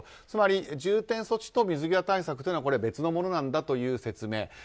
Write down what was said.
つまり、重点措置と水際対策というのは別のものなんだという説明。